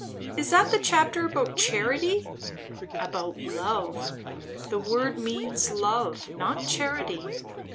"Is that the chapter about charity?" "About love. The word means love, not charity."